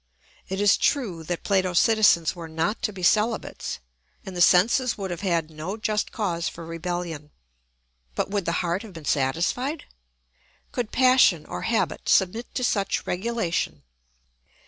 It is true that Plato's citizens were not to be celibates, and the senses would have had no just cause for rebellion; but would the heart have been satisfied? Could passion or habit submit to such regulation?